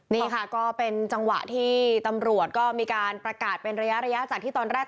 นี่ค่ะก็เป็นจังหวะที่ตำรวจก็มีการประกาศเป็นระยะจากที่ตอนแรก